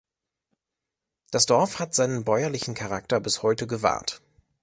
Das Dorf hat seinen bäuerlichen Charakter bis heute gewahrt.